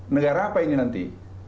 negara apa ini nanti